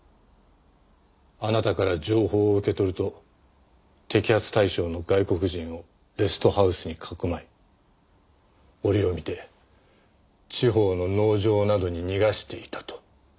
あなたから情報を受け取ると摘発対象の外国人をレストハウスにかくまい折を見て地方の農場などに逃がしていたと。